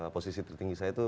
posisi tertinggi saya